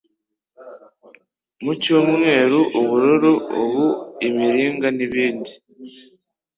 Ku cyumweru, ubururu ubu; imiringa n'ibindi